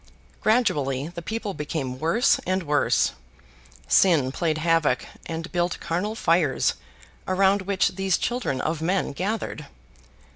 Gradually the people became worse and worse. Sin played havoc and built carnal fires around which these children of men gathered.